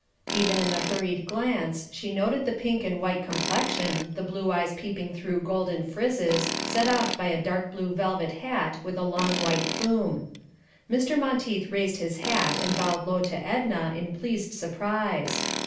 Even in the hurried glance she noted the pink and white complexion, the blue eyes peeping through golden frizzes, set off by a dark blue velvet hat with a long white plume. Mr. Monteith raised his hat and bowed low to Edna in pleased surprise.